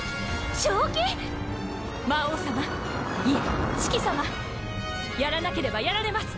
正気⁉魔王さまいえシキさま！やらなければやられます！